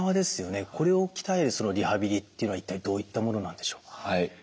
これを鍛えるそのリハビリっていうのは一体どういったものなんでしょう？